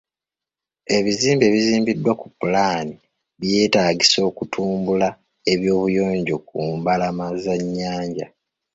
Ebizimbe ebizimbiddwa ku pulaani byetaagisa okutumbula eby'obuyonjo ku mbalama z'ennyanja.